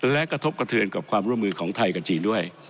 และกระทบกระเทือนกับความร่วมมือของไทยกับจีนด้วย